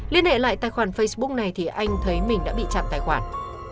liên hệ lại tài khoản facebook này thì anh thấy mình đã bị chặn tài khoản